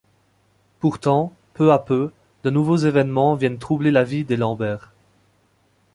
Pourtant, peu à peu, de nouveaux événements viennent troubler la vie des Lambert.